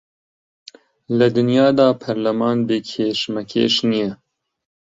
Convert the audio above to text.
لە دنیادا پەرلەمان بێ کێشمەکێش نییە